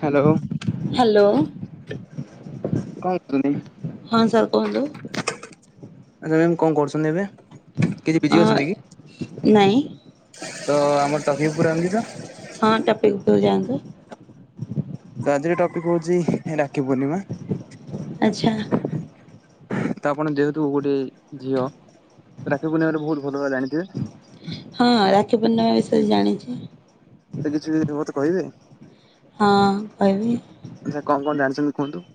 Hello hello କଣ କରୁଛନ୍ତି? ହଁ ସାର୍ କୁହନ୍ତୁ ଆଛା ମ୍ୟାମ କଣ କରୁଛନ୍ତି ଏବେ, କିଛି ବିଜି ହଁ ଅଛନ୍ତି କି? ନାଇଁ ତ ଆମର ଟପିକ ଉପରକୁ ଯିବା? ହଁ ଟପିକ ଉପରକୁ ଯାନ୍ତୁ। ତ ଆଜିର ଟପିକ ହଉଛି ରାକ୍ଷୀ ପୂର୍ଣ୍ଣିମା। ଆଚ୍ଛା ତ ଆପଣ ଯେହେତୁ ଗୋଟେ ଝିଅ, ରାକ୍ଷୀ ପୂର୍ଣ୍ଣିମାରେ ବହୁତ ଭଲ ଭାବରେ ଜାଣିଥିବେ। ହଁ ରାକ୍ଷୀ ପୂର୍ଣ୍ଡମା ବିଷୟରେ ଜାଣିଛି। ସେ ବିଷୟରେ କିଛି ମତେ କହିବେ? ହଁ କହିବି ଆଚ୍ଛା କଣ କଣ ଜାଣିଛନ୍ତି କୁହନ୍ତୁ?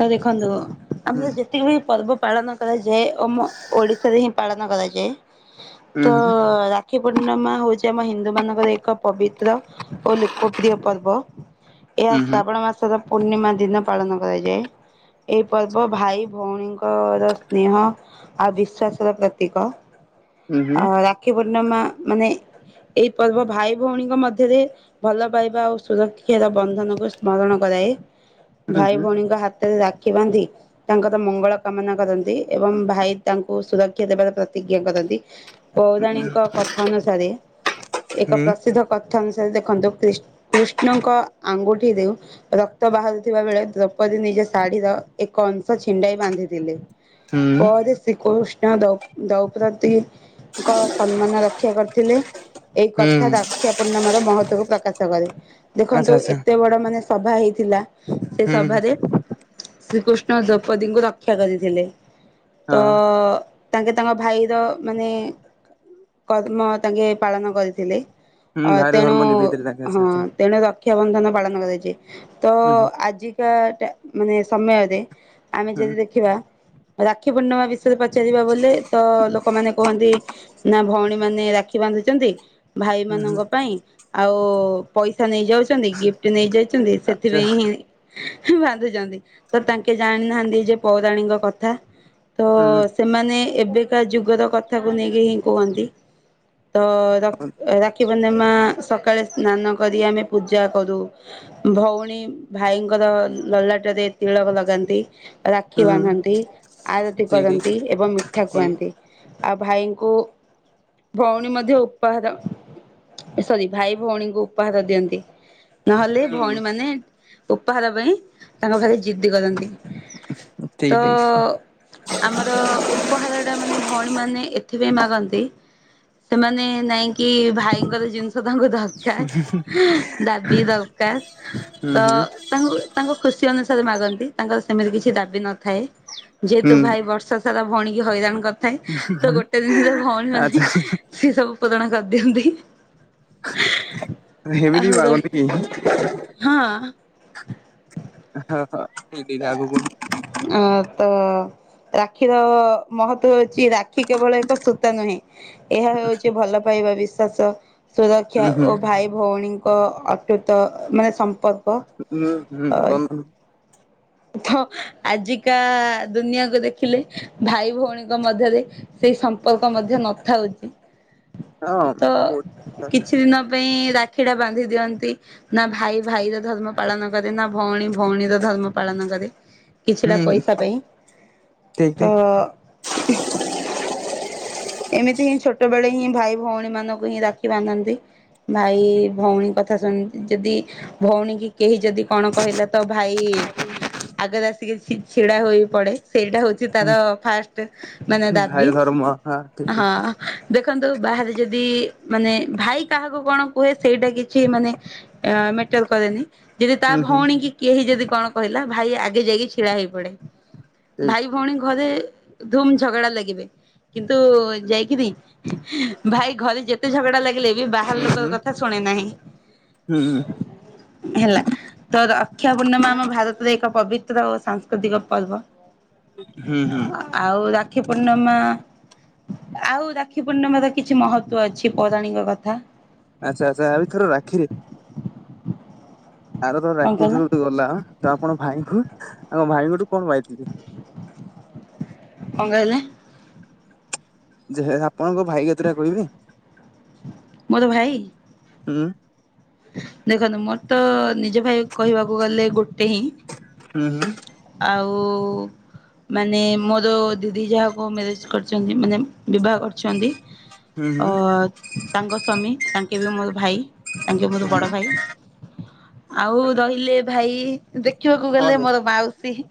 ତ ଦେଖନ୍ତୁ ହୁଁ ଆମର ଯେତେ ଯେତିକି ବି ପର୍ବ ପାଳନ କରାଯାଏ ଆମ ଓଡ଼ିଶାରେ ହିଁ ପାଳନ କରାଯାଏ। ତ ଉହୁଁ ରା ରାକ୍ଷୀ ପୂର୍ଣ୍ଣିମା ହଉଛି ଆମ ହିନ୍ଦୁ ମାନଙ୍କର ଏକ ପବିତ୍ର ଓ ଲୋକପ୍ରିୟ ପର୍ବ। ଏ ଉହୁଁ ଶ୍ରାବଣ ମାସର ପୂର୍ଣ୍ଣିମା ଦିନ ପାଳନ କରାଯାଏ। ଏଇ ପର୍ବ ଭାଇ ଭଉଣୀଙ୍କର ସ୍ନେହ ଆଉ ବିଶ୍ଵାସ ର ପ୍ରତୀକ। ଉହୁଁ ଅ ରାକ୍ଷୀ ପୂର୍ଣ୍ଣିମା ମାନେ ଏଇ ପର୍ବ ଭାଇ ଭଉଣୀଙ୍କ ମଧ୍ୟରେ ଭଲ ପାଇବା ଆଉ ସୁରକ୍ଷାର ବନ୍ଧନକୁ ସ୍ମରଣ କରାଏ ଭାଇ ଭଉଣୀଙ୍କ ହାତ ହାତରେ ରାକ୍ଷୀ ବାନ୍ଧି ତାଙ୍କର ମଙ୍ଗଳ କାମନା କରନ୍ତି ଏବଂ ଭାଇ ତାଙ୍କୁ ସୁରକ୍ଷା ଦେବାର ପ୍ରତିଜ୍ଞା କରନ୍ତି। [inaudible] ପୌରାଣୀଙ୍କ କଥା ଅନୁସାରେ ଏକ ହୁଁ ପ୍ରସିଦ୍ଧ କଥା ଅନୁସାରେ ଦେଖନ୍ତୁ କୃଷ୍ଣଙ୍କ ଆଙ୍ଗୁଠିରୁ ରକ୍ତ ବାହାରୁଥିବା ବେଳେ ଦ୍ରୌପଦୀ ନିଜ ଶାଢୀର ଏକ ଅଂଶ ଛିଣ୍ଡାଇ ବାନ୍ଧିଥିଲେ ହୁଁ ପରେ ଶ୍ରୀକୃଷ୍ଣ ଦ୍ରପଦୀଙ୍କ ସମ୍ମାନ ରକ୍ଷା କରିଥିଲେ ଏଇ କଥା ହୁଁ ରକ୍ଷା ପୂର୍ଣ୍ଣମ ର ମହତଵକୁ ପ୍ରକାଶ କରେ ଆଚ୍ଛା ଦେଖନ୍ତୁ ଆଚ୍ଛା ଏତେ ବଡ ମାନେ ସଭା ହେଇଥିଲା। ସେ ହୁଁ ସଭାରେ ସେ ସଭାରେ ଶ୍ରୀକୃଷ୍ଣ ଦ୍ରୌପଦୀଙ୍କୁ ରକ୍ଷା କରିଥିଲେ ତ ହଁ ତାଙ୍କେ ତାଙ୍କ ଭାଇର ମାନେ କର୍ମ ତାଙ୍କେ ପାଳନ କରିଥିଲେ। ହୁଁ ଅ ଭାଇର ତେଣୁ ଧର୍ମ ନିଭେଇ ଦେଲେ ତାଙ୍କେ ହଁ ଆଚ୍ଛା ଠିକ୍ ତେଣୁ ର ରକ୍ଷାବନ୍ଧନ ପାଳନ କରାଯାଇଛି ତ ଉହୁଁ ଆଜିକା ମାନେ ସମୟରେ ଆମେ ହୁଁ ଯଦି ଦେଖିବା। ରାକ୍ଷୀ ପୂର୍ଣ୍ଣିମା ବିଷୟରେ ପଚାରିବା ବୋଲେ ତ ଲୋକମାନେ କୁହନ୍ତି ନାଁ ଭଉଣୀ ମାନେ ରାକ୍ଷୀ ବାନ୍ଧୁଚନ୍ତି ଉହୁଁ ଭାଇମାନାନଙ୍କ ପାଇଁ ଆଉ ପଇସା ନେଇଯାଉଚନ୍ତି ଗିଫ୍ଟ ନେଇଯାଉଚନ୍ତି ଆଚ୍ଛା ସେଥିପାଇଁ ହିଁ ବାନ ନ୍ଧୁଚନ୍ତି ତ ତାଙ୍କେ ଜାଣିନାହାଁନ୍ତି ଯେ ପୌରାଣୀକ କଥା ତ ହୁଁ ସେମାନେ ଏବେକା ଯୁଗର କଥାକୁ ନେଇକି ହିଁ କୁହଁନ୍ତି। ତ ର ରାକ୍ଷୀ ପୂର୍ଣ୍ଣିମା ସକାଳେ ସ୍ନାନ କରି ଆମେ ପୂଜା କରୁ। ଭଉଣୀ ଭାଇଙ୍କର ଲଲାଟରେ ତିଳକ ଲଗାନ୍ତି। ରାକ୍ଷୀ ହୁଁ ବାନ୍ଧନ୍ତି, ଆରତି ଠିକ୍ କରନ୍ତି ଏବଂ ମିଠା ଠିକ୍ ଖୁଆନ୍ତି। ଆଉ ଭାଇଙ୍କୁ ଭଉଣୀ ମଧ୍ୟ ଉପହାର ଏ ସରି ଭାଇ ଭଉଣୀଙ୍କୁ ଉପହାର ଦିଅନ୍ତି। ନହେଲେ ହୁଁ ହୁଁ ଭଉଣୀ ମାନେ ଉପହାର ପାଇଁ ତାଙ୍କର ଭାରି ଜିଦ୍ଦି କରନ୍ତି। ଠିକ୍ ତ ଠିକ୍ ଆମର ଉପହାର ଟା ମାନେ ଭଉଣୀ ମାନେ ଏଥିପାଇଁ ମାଗନ୍ତି ସେମାନେ ନେଇକି ବା ଭାଇଙ୍କର ଜିନିଷ ତାଙ୍କୁ ଦରକାର ଦାବି ଦରକାର ହୁଁ ତ ହୁଁ ତାଙ୍କୁ ତାଙ୍କ ଖୁସି ଅନୁସାରେ ମାଗନ୍ତି। ତାଙ୍କର ସେମିତି କିଛି ଦାବି ନଥାଏ। ଯେହେତୁ ହୁଁ ଭାଇ ବର୍ଷ ସାରା ଭଉଣୀ କି ହଇରାଣ କରିଥାଏ ତ ଗୋଟେ ଦିନରେ ଭଉଣୀ ମାନେ। ଆଚ୍ଛା ସିଏ ସବୁ ପୂରଣ କରି ଦିଅନ୍ତି। ଆଉ ହେମିତି ବି ମାଗନ୍ତି କି? ହଁ ହଁ ହଁ ଏମିତି କାହାକୁ ପୂର୍ବରୁ ଅଁ ତ ରାକ୍ଷୀର ମହତ ହଉଛି ରାକ୍ଷୀ କେବଳ ଏକ ସୂତା ନୁହେଁ। ଏହା ହଉଛି ଭଲ ପାଇବା ବିଶ୍ଵାସ ସୁରକ୍ଷା ହୁଁ ହୁଁ ଓ ଭାଇ ଭଉଣୀ ଙ୍କ ଅତୁଟ ମାନେ ସମ୍ପର୍କ। [unintelligible] ଥ ଆଜିକା ଦୁନିଆକୁ ଦେଖିଲେ ଭାଇ ଭଉଣୀଙ୍କ ମଧ୍ୟରେ ସେଇ ସମ୍ପର୍କ ମଧ୍ୟ ନଥାଉଛି ହଁ ତ ବହୁତ କିଛି ଦିନ ପାଇଁ ରାକ୍ଷୀଟା ବାନ୍ଧି ଦିଅନ୍ତି ନାଁ ଭାଇ ଭାଇର ଧର୍ମ ପାଳନ କରେ ନା ଭଉଣୀ ଭଉଣୀର ଧର୍ମ ପାଳନ କରେ। କିଛି ହୁଁ ଟା ପଇସା ପାଇଁ ଠିକ ତ ଠିକ ଏମିତି ହିଁ ଛୋଟବେଳେ ହିଁ ଭାଇ ଭଉଣୀ ମାନଙ୍କୁ ହିଁ ରାଖି ବନ୍ଦନ୍ତି। ଭାଇ ଭଉଣୀ କଥା ଶୁଣନ୍ତି ଯଦି ଭଉଣୀ କି କେହି ଯଦି କଣ କହିଲା ତ ଭାଇ ଆଗରେ ଆସିକି ଛିଡା ହୋଇ ପଡେ ସେଇଟା ହଉଚି ସେତାର ଫାଷ୍ଟ ମାନେ ଭାଇର ଦାବି ଧର୍ମ ହଁ ଠିକ ଠିକ ହଁ, ଦେଖନ୍ତୁ ବାହାରେ ଯଦି ମାନେ ଭାଇ କାହାକୁ କଣ କୁହେ ସେଇଟା କିଛି ମାନେ ଆଁ ମେଟର କରେନି। ଯଦି ତା ହୁଁ ହୁଁ ଭଉଣୀକି କେହି ଯଦି କଣ କହିଲା ଭାଇ ଆଗେ ଯାଇକି ଛିଡା ହେଇ ପଡେ। ଭାଇ ଠିକ ଭଉଣୀ ଘରେ ଧୁମ ଝଗଡା ଲାଗିବେ କିନ୍ତୁ ଯାଇକିରି ଭାଇ ଘରେ ଯେତେ ଝଗଡା ଲାଗିଲେବି କି ବାହାର ହୁଁ ଲୋକର କଥା ଶୁଣେ ନାହିଁ। ହୁଁ ହୁଁ ହେଲା, ତ ରକ୍ଷା ପୂର୍ଣ୍ଣିମା ଆମ ଭାରତ ରେ ଏକ ପବିତ୍ର ଓ ସାଂସ୍କୃତିକ ପର୍ବ। ହୁଁ ହୁଁ ଆଉ ରାକ୍ଷୀ ପୂର୍ଣ୍ଣିମା ଆଉ ରାକ୍ଷୀ ପୂର୍ଣ୍ଣିମା ର କିଛି ମହତ୍ୱ ଅଛି ପୌରାଣୀଙ୍କ କଥା। ଆଚ୍ଛା ଆଚ୍ଛା ଏ ଥର ରାକ୍ଷୀ ଆର ଥର କଣ ରାକ୍ଷୀ କହିଲ ଯୋଉ ଗଲା ତ ଆପଣ ଭାଇଙ୍କୁ ଆମ ଭାଇଙ୍କଠୁ କଣ ପାଇଥିଲି? କଣ କହିଲେ? ଯେ ଆପଣଙ୍କ ଭାଇ କେତେଟା କହିବି ମୋର ଭାଇ ହୁଁ। ଦେଖନ୍ତୁ ମୋର ତ ନିଜ ଭାଇ କହିବାକୁ ଗଲେ ଗୋଟେ ହିଁ। ହୁଁ ହୁଁ। ଆଉ ଉ ମାନେ ମୋର ଦିଦି ଯାହାକୁ ମ୍ୟାରେଜ କରିଛନ୍ତି ମାନେ ବିବାହ କରିଛନ୍ତି ହୁଁ ଅ ହୁଁ ତାଙ୍କ ସ୍ୱାମୀ ତାଙ୍କେ ବି ମୋର ଭାଇ ତାଙ୍କେ ମୋର ବଡ ଭାଇ। ଆଉ ରହିଲେ ଭାଇ ଦେଖିବାକୁ ଗଲେ ହୁଁ ମୋର ମାଉ ସେହି,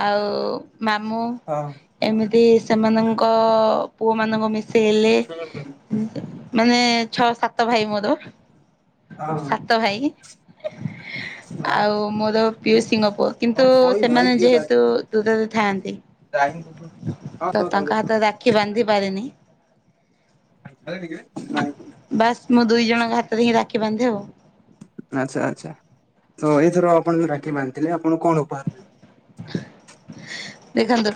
ଆଉ ମାମୁଁ ଏମିତି ସେମାନଙ୍କ ପୁଅ ମାନଙ୍କୁ ମିଶେଇଲେ ହଁ ହୁଁ ମାନେ ଛଅ ସାତ ଭାଇ ମୋର। ହଁ ସାତ ଭାଇ, ହଁ ଆଉ ମୋର ପିଉସୀଙ୍କ ପୁଅ କିନ୍ତୁ ହଁ କହି ଭାଇ ସେମାନେ ଦିଅ ତା ଯେହେତୁ ଦୂରରେ ଥାଆନ୍ତି, ଦାଇଙ୍କୁ ହଁ ତ ତାଙ୍କ ହାତରେ ରାଖି ଖି ବାନ୍ଧି ପାରେନି [inaudible] ବାସ୍ ମୁଁ ଦୁଇ ଜଣଙ୍କ ହାତ ତାକୁ ହିଁ ରାକ୍ଷୀ ବାନ୍ଧେ ଆଉ। ଆଚ୍ଛା ଆଚ୍ଛା। ତ ଏଇଥର ଆପଣ ଯୋଉ ରାକ୍ଷୀ ବାନ୍ଧି ଥିଲେ ଆପଣ କଣ ଉପହାର [inaudible] ଦେଖନ୍ତୁ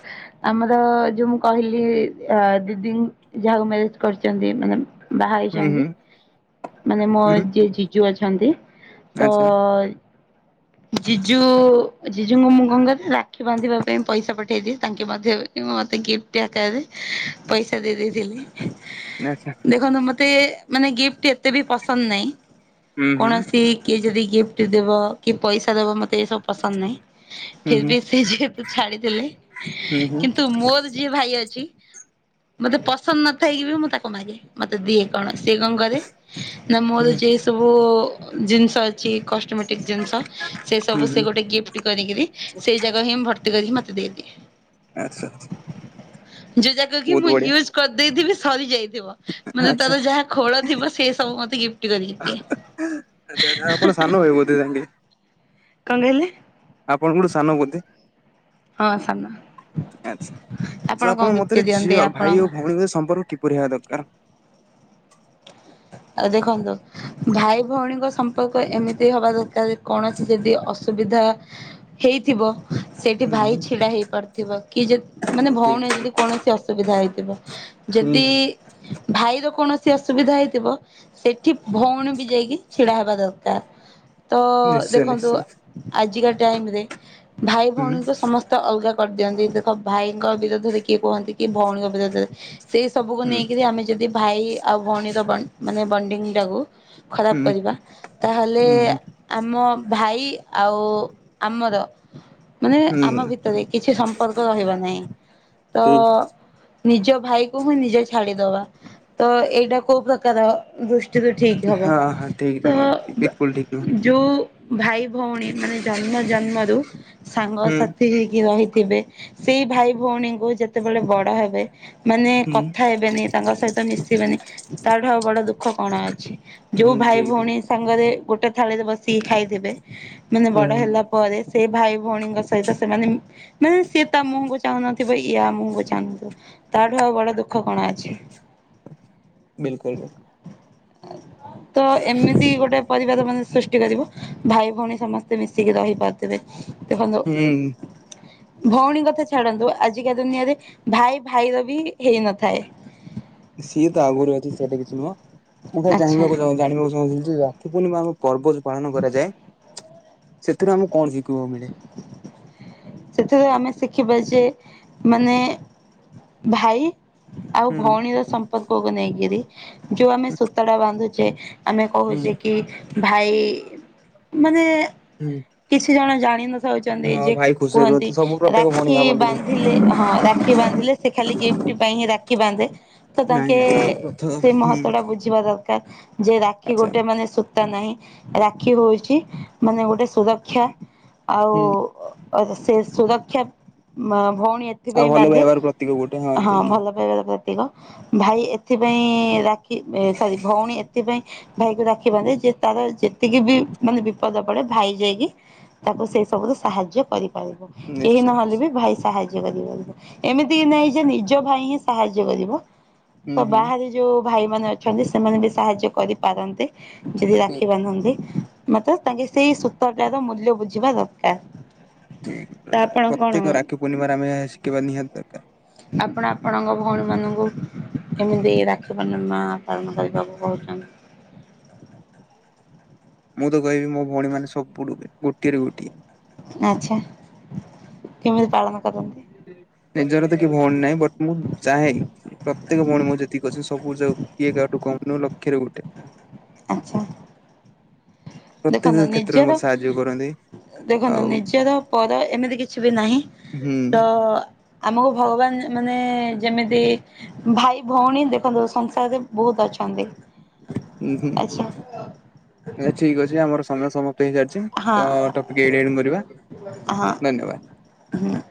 ଆମର ଯୋଉ ମୁଁ କହିଲି ଆ ଦିଦି ଙ୍ଗ୍ ଯାହାକୁ ମ୍ୟାରେଜ୍ କରିଛନ୍ତି ମାନେ ବାହା ହୁଁ ହେଇଛନ୍ତି ହୁଁ ମାନେ ମୋ ହୁଁ ଯିଏ ଜିଜୁ ଅଛନ୍ତି ତ ଆଚ୍ଛା ଜିଜୁ ଜିଜୁଙ୍କୁ ମୁଁ କଣ କରେ ରାକ୍ଷୀ ବାନ୍ଧିବା ପାଇଁ ପଇସା ପଠେଇଦିଏ ତାଙ୍କେ ମଧ୍ୟ ମୋତେ ଗିଫ୍ଟ ଆକାରରେ, ପଇସା ଦେଇ ଆଚ୍ଛା ଦେଇଥିଲି ଦେଖନ୍ତୁ ମତେ ମାନେ ଗିଫ୍ଟ ଏତେ ବି ପସନ୍ଦ ନାହିଁ ହୁଁ ହୁଁ କୌଣସି କିଏ ଯଦି ଗିଫ୍ଟ ଦେବ କି ପଇସା ଦେବ ମତେ ଏସବୁ ପସନ୍ଦ ନାହିଁ ହୁଁ ଫିର୍ ବି ସେ ଯେହେତୁ ଛାଡିଦେଲେ ହୁଁ ହୁଁ ହୁଁ କିନ୍ତୁ ମୋର ଯିଏ ଭାଇ ଅଛି, ମତେ ପସନ୍ଦ୍ ନଥାଇକି ବି ମୁଁ ତାକୁ ମାଗେ, ମତେ ଦିଏ କଣ ସେ କଣ କରେ ନା ମୋର ହୁଁ ଯିଏ ସବୁ ଜିନିଷ ଅଛି କ କଷ୍ଟମଟିଏ ଜିନିଷ ସେ ହୁଁ ସବୁସେ ହୁଁ ଗୋଟେ ଗିଫ୍ଟ୍ କରିକିରି ସେଇ ଜାଗା ହିଁ ମୁ ଭର୍ତ୍ତି କରିକି ମତେ ଦେଇଦିଏ। ଆଚ୍ଛା ଯୋ ଜାଗା କି ବହୁତ ମୁଁ ବଢିଆ ୟୁଜ୍ କରିଦେଇଥିବି ସରିଯାଇଥିବ ମତେ ଆଚ୍ଛା। ତାର ଯାହା ଖୋଳ ଥିବ ସେ ସବୁ ମତେ ଗିଫ୍ଟ କରିକି ଦିଏ। ଆ--ହା--ଆଛା ଆଚ୍ଛା ଆପଣଙ୍କ ସାନ ଭାଇ ବୋଧେ ଯାଇକି କଣ କହିଲେ? ଆପଣଙ୍କଠୁ ସାନ ବୋଧେ? ହଁ ସାନ। ଆଚ୍ଛା। ତ ଆପଣ କଣ ଆପଣଙ୍କ ଗିଫ୍ଟ ମତରେ ଦିଅନ୍ତି ଝିଅ ଭାଇ ଆପଣଙ୍କ ଓ ଭଉଣୀଙ୍କ ସମ୍ପର୍କ କିପରି ହେବା ଦରକାର? ଆ ଦେଖନ୍ତୁ ଭାଇ ଭଉଣୀଙ୍କ ସମ୍ପର୍କ ଏମିତି ହବା ଦରକାର୍ କୌଣସି ଯଦି ଅସୁବିଧା ହେଇଥିବ ସେଇଠି ହୁଁ ଭାଇ ହୁଁ ଛିଡା ହେଇ ପାରୁଥିବ କି ଯ ମାନେ ହୁଁ ଠିକ୍ ଭଉଣୀ ଯଦି ଠିକ୍ କୌଣସି ଅସୁବିଧା ହେଇଥିବ ହୁଁ ଯଦି ଭାଇ ର କୌଣସି ଅସୁବିଧା ହେଇ ଥିବ ସେଠି ଭଉଣୀ ବି ଯାଇକି ଛିଡା ହେବା ଦରକାର୍। ତ- ନିଶ୍ଚୟ ଦେଖନ୍ତୁ ନିଶ୍ଚୟ ଆଜିକା ଟାଇମ୍ ରେ ଭାଇ ହୁଁ ଭଉଣୀଙ୍କୁ ସମସ୍ତ ତ ଅଲଗା କରିଦିଅନ୍ତି ଦେଖ ଭାଇଙ୍କ ବିରୋଧରେ କିଏ କୁହନ୍ତି କିଏ ଭଉଣୀଙ୍କ ବିରୋଧରେ ସେଇ ସବୁକୁ ହୁଁ ନେଇକିରି ଆମେ ଯଦି ଭାଇ ଆଉ ଭଉଣୀର ବଣ୍ଡ୍ ମାନେ ବଣ୍ଡିଙ୍ଗଟାକୁ ଖରାପ୍ ହୁଁ କରିବା ତାହେଲେ ହୁଁ ଆମ ଭାଇ ଆଉ ଆମର ମାନେ ହୁଁ ଆମ ଭିତରେ କିଛି ସମ୍ପର୍କ ରହିବ ନାହିଁ ତ ଠିକ୍। ନିଜ ଭାଇ କୁ ହିଁ ନିଜେ ଛାଡିଦବା ତ ଏଇଟା କୋଉ ପ୍ରକାର। ଦୃଷ୍ଟି ରୁ ଠିକ୍ ହବ ତ ବା ଯୋଉ୍ ଭାଇ ଭଉଣୀ ମାନେ ଜନ୍ମ ଜନ୍ମ ରୁ ସାଙ୍ଗସାଥି ହେଇକି ରହିଥିବେ ସେଇ ଭାଇ ଭଉଣୀଙ୍କୁ ଯେତେବେଳେ ବଡ ହେବେ। ମାନେ କଥା ହେବେନି ତାଙ୍କ ସହିତ ମିଶିବେନି ତାଠୁ ଆଉ ବଡ ଦୁଃଖ କଣ ଅଛି? ଯୋଉ ହୁଁ ଭାଇ ଠିକ ଠିକ ଭଉଣୀ ସାଙ୍ଗରେ ଗୋଟେ ଥାଳିରେ ବସିକି ଖାଇଥିବେ ମାନେ ବଡ ହୁଁ ହେଲା ପରେ ସେ ଭାଇ ଭଉଣୀଙ୍କ ସହିତ ସେମାନେ ମ୍ ମାନେ ସିଏ ତା ମୁହଁକୁ ଚାହୁଁନଥିବେ ଇଆ ମୁହଁକୁ ଚାହୁଁନଥିବ ତାଠୁ ଆଉ ବଡ ଦୁଃଖ କଣ ଅଛି? ବିଲ୍ କୁଲ୍। ତ ଏମିତି ଗୋଟେ ପରିବା ଦୋକାନ ସୃଷ୍ଟି କରିବୁ। ଭାଇ ଭଉଣୀ ସମସ୍ତେ ମିଶିକି ରହିପାରୁଥିବେ ଦେଖନ୍ତୁ। ହୁଁ ଭଉଣୀ କଥା ଛାଡନ୍ତୁ ଆଜିକା ଦୁନିଆରେ ଭାଇ ଭାଇର ବି ହେଇନଥାଏ। ସିଏ ତ ଆଗରୁ ଅଛି ସେଟା କିଛି ନୁହଁ ମୁଁ ଖାଲି ଆଚ୍ଛା ଜାଣିବାକୁଁ ଜଣିବାକୁ ଚାହୁଁଥିଲିିିବୁନି। ପର୍ବ ଯୋଉ ପାଳନ କରାଯାଏ ସେଥିରୁ ଆମକୁ କଣ ଶିଖିବା ମିଳେ? ସେଥିରୁ ଆମେ ଶିଖିବା ଯେ ମାନେ ଭାଇ ଆଉ ହୁଁ ଭଉଣୀର ସମ୍ପର୍କକୁ ନେଇକିରି ଯୋଉ ଆମେ ସୂତାଟା ବାନ୍ଧୁଛେ। ଆମେ ହୁଁ କହୁଛେ କି ଭାଇ ମାନେ ହୁଁ। କିଛି ଜଣ ଜାଣି ନସଉଛନ୍ତି ହଁ ଯ ଭାଇ ଖୁସିରେ କୁହନ୍ତି ରୁହନ୍ତି ସବୁ ପ୍ରତ୍ୟେକ ଭଉଣୀ ରାକ୍ଷୀ ଭାବନ୍ତି କି ବାନ୍ଧିଲେ ହଁ ରା ରାଖି ବାନ୍ଧିଲେ ସେ ଖାଲି ଗିଫ୍ଟ ପାଇଁ ହିଁ ରାକ୍ଷୀ ବାନ୍ଧେ ତ ନାଇଁ ତାଙ୍କେ ନାଇଁ ରଥ ହୁଁ ସେ ମହତ୍ଵଟା ବୁଝ ଯିବା ଦରକାର ଯେ ରାକ୍ଷୀ ଆଚ୍ଛା ଗୋଟେ ଆଚ୍ଛା। ମାନେ ନାହିଁ ରାକ୍ଷୀ ହଉଛି ମାନେ ଗୋଟେ ସୁରକ୍ଷା ହୁଁ ଆଉ ସେ ସୁୁରକ୍ଷା ଭଉଣୀ ଆଉ ସେଥିପାଇଁ ଭଲ ବାନ୍ଧେ ପାଇବାର ପ୍ରତୀକ ଗୋଟେ ହଁ ଠିକ ଠିକ ଭଲ ପାଇବା। ଭାଇ ଏଥିପାଇଁ ରାକ୍ଷୀ ସରି ଭଉଣୀ ଏଥିପାଇଁ ଭାଇକୁ ରାଖି ବାନ୍ଧେ ଯେ ତାର ଯେତିକି ବି ମାନେ ବିପଦ ପଡେ ଭାଇ ଯାଇକି ତାକୁ ସେଇ ସବୁର ସାହାଯ୍ୟ କରିପାରିବ କେହି ନିଶ୍ଚୟ ନହେଲେ ନିଶ୍ଚୟ। ବି ଭାଇ ସାହାଯ୍ୟ ଏମିତି କି ନାଇଁ ଯେ ନିଜ ଭାଇ ହିଁ ସାହାଯ୍ୟ କରିବ ହୁଁ ତ ହୁଁ ବାହା ଯୋଉ ଭାଇ ମାନ ଅଛନ୍ତି ସେମାନେ ବି ସାହାଯ୍ୟ କରିପାରନ୍ତି ଯଦି ଠିକ ରାଖି ପାରୁନାହାନ୍ତି। ମତେ ତାଙ୍କେ ସେଇ ସୂତାଟାର ମୂଲ୍ୟ ବୁଝିବା ଦରକାର। ତ ଆପଣ ପ୍ରତ୍ୟେକ କଣ ରାକ୍ଷୀ ପୂର୍ଣିମାରେ ଆମେ ଶିଖିବା ନିହାତି ଦରକାର। ଆପଣ ଆପଣଙ୍କ ଭଉଣୀମାନଙ୍କୁ କେମିତି ରାକ୍ଷୀମାନ ପାଳନ କରିବାକୁ କହୁଛନ୍ତି। ମୁଁ ତ କହିବି ମୋ ଭଉଣୀ ମାନେ ସବୁଠୁ କୋଟିଏରେ ଗୋଟିଏ ଆଛା କେମିତି ପାଳନ କରନ୍ତି। ନିଜର ତ କି ଭଉଣୀ ନାହିଁ ବଟ୍ ମୁଁ ଚାହେଁ ପ୍ରତ୍ୟେକ ଭଉଣୀ ମ ଯେତିକି ଅଛନ୍ତି ସବୁ ଯ କିଏ କାହାଠୁ କମ ନୁହ ଲକ୍ଷ୍ୟରେ ଗୋଟେ। ଆଚ୍ଛା। ପ୍ରତ୍ୟେକ ଦେଖନ୍ତୁ କ୍ଷେତ୍ରରେ ନିଜର। ମୋତେ ସାହାଯ୍ୟ କରନ୍ତି ଦେଖନ୍ତୁ ଆଉ ନିଜର ପର ଏମିତି କିଛି ବି ନାହିଁ ହୁଁ ତ। ଆମକୁ ଭଗବାନ ମାନେ ଯେମିତି। ଭାଇ ଭଉଣୀ ଦେଖନ୍ତୁ ସଂସାରରେ ବହୁତ ଅଛନ୍ତି। ଉଁ ହୁଁ ଆଚ୍ଛା। ଆ ଠିକ ଅଛି ଆମର ସମୟ ସମସ୍ତେ ହିଁ ଯା ହଁ ତ ଟପିକ ଏଇରେ ଏଇରେ ମରିବା ହଁ ଧନ୍ୟବାଦ। ହୁଁ।